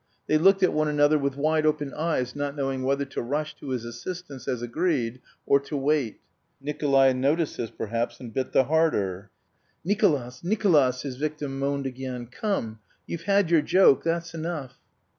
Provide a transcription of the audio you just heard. They looked at one another with wide open eyes, not knowing whether to rush to his assistance as agreed or to wait. Nikolay noticed this perhaps, and bit the harder. "Nicolas! Nicolas!" his victim moaned again, "come... you've had your joke, that's enough!"